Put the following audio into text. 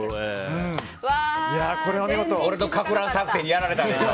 俺のかく乱作戦にやられたな。